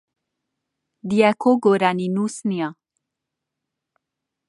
دیاکۆ گۆرانینووس نییە.